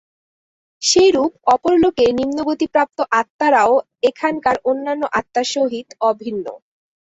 সেইরূপ অপর লোকে নিম্নগতি-প্রাপ্ত আত্মারাও এখানকার অন্যান্য আত্মার সহিত অভিন্ন।